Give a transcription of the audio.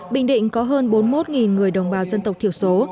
bình định có hơn bốn mươi một người đồng bào dân tộc thiểu số